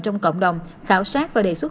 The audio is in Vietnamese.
trong cộng đồng khảo sát và đề xuất